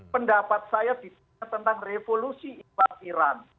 pendapat saya diperkenalkan tentang revolusi ibad iran